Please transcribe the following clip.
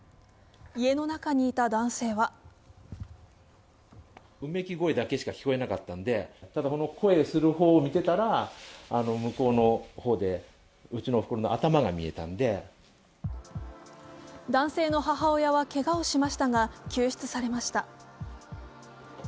家の中にいた男性は男性の母親はけがをしましたが救出されました。